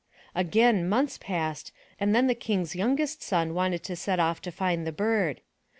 Again months passed and then the King's youngest son wanted to set off to find the bird.